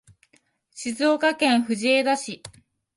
静岡県藤枝市